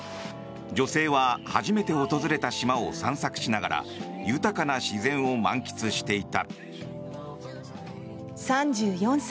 女性は初めて訪れた島を散策しながら豊かな自然を満喫していた。